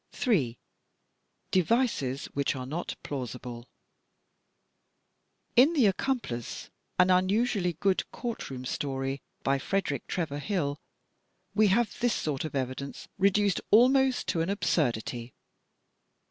J. Devices Which Are Not Plausible In "The Accomplice, " an imusually good court room story, by Frederick Trevor Hill, we have this sort of evidence reduced almost to an absurdity.